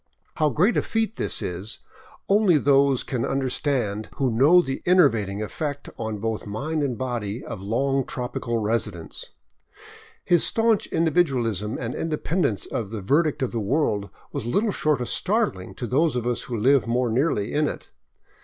How great a feat this is only those can understand who know the enervating effect on both mind and body of long tropical residence. His staunch individualism and independence of the verdict of the world 550 LIFE IN THE BOLIVIAN WILDERNESS was little short of startling to those of us who live more nearly in it.